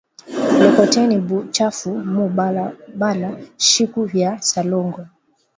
Lokoteni buchafu mu bala bala shiku ya salongo